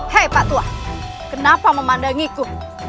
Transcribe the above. hei pak tuah kenapa memandangiku